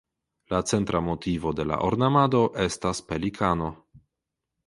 La centra motivo de la ornamado estas pelikano.